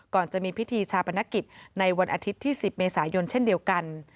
จะมีพิธีชาปนกิจในวันอาทิตย์ที่๑๐เมษายนเช่นเดียวกัน